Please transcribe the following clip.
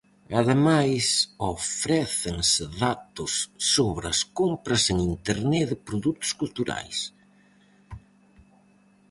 Ademais, ofrécense datos sobre as compras en Internet de produtos culturais.